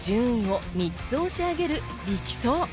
順位を３つ押し上げる力走。